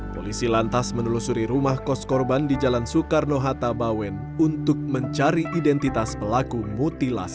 polisi lantas menelusuri rumah kos korban di jalan soekarno hatta bawen untuk mencari identitas pelaku mutilasi